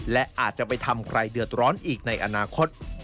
และอาจจะไปทำใครเดือดร้อนอีกในอนาคต